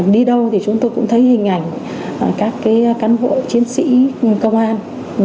đi đâu thì chúng tôi cũng thấy hình ảnh các cái căn hộ chiến sĩ công an